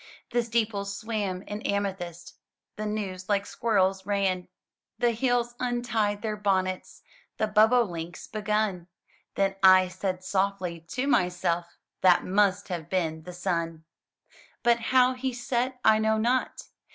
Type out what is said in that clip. The steeples swam in amethyst. The news like squirrels ran. The hills untied their bonnets. The bobolinks begun. Then I said softly to myself, *That must have been the sun!" But how he set, I know not.